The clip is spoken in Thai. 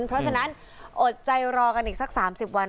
เพราะฉะนั้นอดใจรอกันอีกสัก๓๐วัน